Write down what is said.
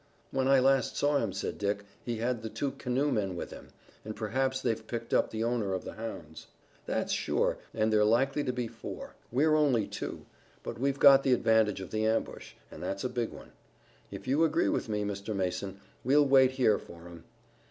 "When I last saw him," said Dick, "he had the two canoemen with him, and perhaps they've picked up the owner of the hounds." "That's sure, and they're likely to be four. We're only two, but we've got the advantage of the ambush, and that's a big one. If you agree with me, Mr. Mason, we'll wait here for 'em.